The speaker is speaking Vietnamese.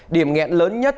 điểm nghẹn lớn nhất